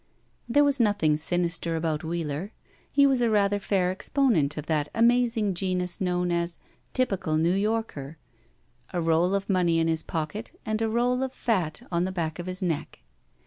There was nothing sinister about Wheeler. He was a rather fair exponent of that amazing genus known as "typical New Yorker," a roll of money 06 BACK PAY in his pocket, and a roll of fat at the back of his neck.